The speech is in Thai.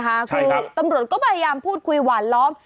คือตำรวจก็พยายามพูดคุยหวานล้อม